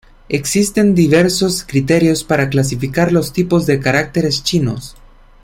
Existen diversos criterios para clasificar los tipos de caracteres chinos.